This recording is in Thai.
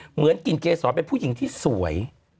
เหมือนกลิ่นเกษรเป็นผู้หญิงที่สวย